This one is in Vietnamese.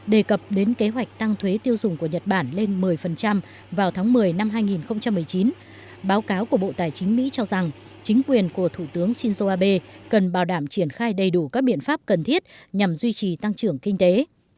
đề cập đến kế hoạch tăng thuế tiêu dùng của nhật bản lên một mươi vào tháng một mươi năm hai nghìn một mươi chín báo cáo của bộ tài chính mỹ cho rằng chính quyền của thủ tướng shinzo abe cần bảo đảm triển khai đầy đủ các biện pháp cần thiết nhằm duy trì tăng trưởng kinh tế